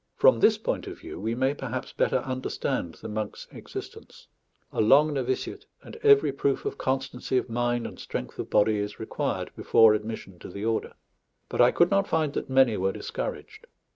From this point of view, we may perhaps better understand the monk's existence. A long novitiate and every proof of constancy of mind and strength of body is required before admission to the order; but I could not find that many were discouraged.